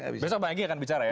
besok bang egy akan bicara ya